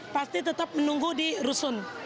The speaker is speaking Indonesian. pasti tetap menunggu di rusun